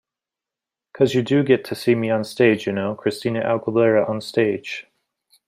Cause you do get to see me onstage, you know, 'Christina Aguilera onstage.